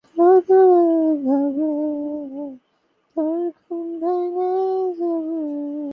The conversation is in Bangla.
বিবাহটা এমন ভাবে হল যে, সকলেরই মনে খারাপ লাগল।